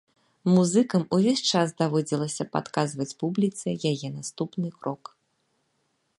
Музыкам увесь час даводзілася падказваць публіцы яе наступны крок.